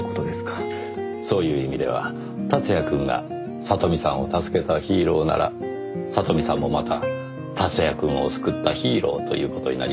そういう意味では竜也くんが里見さんを助けたヒーローなら里見さんもまた竜也くんを救ったヒーローという事になりますねぇ。